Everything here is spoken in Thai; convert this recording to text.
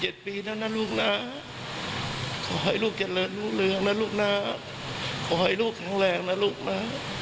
ขอให้ลูก๖๗ปีนะนะลูกนะขอให้ลูกเกลิดลูกเหลืองนะลูกนะขอให้ลูกแข็งแรงนะลูกนะ